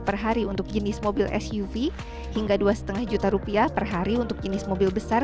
per hari untuk jenis mobil suv hingga dua lima juta rupiah per hari untuk jenis mobil besar